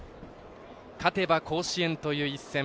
勝てば甲子園という一戦。